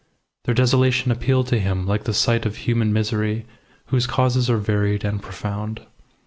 Their desolation appealed to him like the sight of human misery, whose causes are varied and profound.